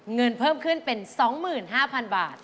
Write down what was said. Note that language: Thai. เงินเพิ่มขึ้นเป็น๒๕๐๐๐บาท